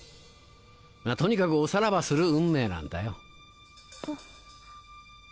とにかくおさらばする運命なんだよ。